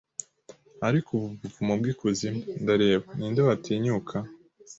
Ariko ubu Ubuvumo bwikuzimu ndareba Ninde watinyuka